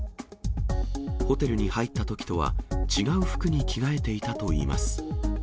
ホテルに入ったときとは、違う服に着替えていたといいます。